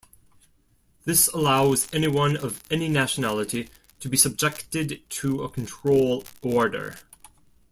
This allows anyone of any nationality to be subjected to a control order.